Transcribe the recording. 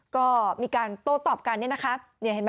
ก็มีการโต้ตอบกันนี่เห็นไหม